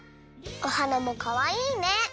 おはなもかわいいね！